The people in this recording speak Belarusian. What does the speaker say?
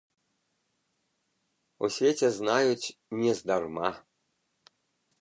У свеце знаюць нездарма!